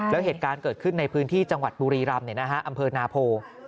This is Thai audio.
แล้วเหตุการณ์เกิดขึ้นในพื้นที่จังหวัดบุรีรำอำเภอนาโพ